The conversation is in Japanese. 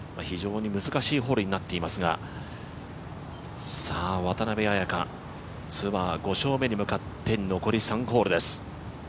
非常に難しいホールになっていますが、渡邉彩香、ツアー５勝目に向かって残り３ホールです。